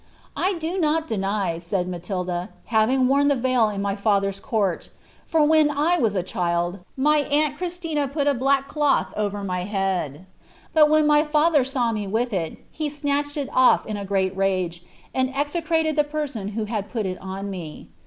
" 1 do not deny,"' said Matilda, "having worn the veil in my biheA court: for, when I was a child, my aunt Christina put a piece of hhrii cloth over my head ; but when my father saw me with it, he snuidnd il off in a great rage, and execrated the person who had put it on ni".'